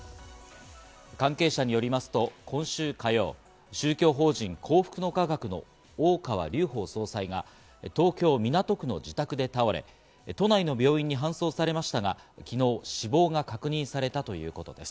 関係者によりますと今週火曜、宗教法人「幸福の科学」の大川隆法総裁が、東京・港区の自宅で倒れ、都内の病院に搬送されましたが、昨日死亡が確認されたということです。